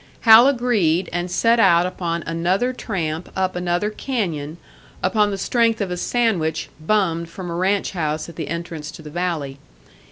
Hal agreed, and set out upon another tramp up another canyon, upon the strength of a sandwich "bummed" from a ranch house at the entrance to the valley.